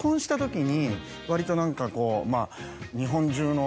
割と何かこうまぁ。